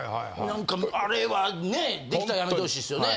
何かあれはねえできたらやめてほしいですよね。